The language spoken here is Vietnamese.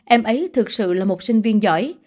em ấy thực sự là một sinh viên giỏi